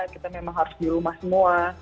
kita memang harus di rumah semua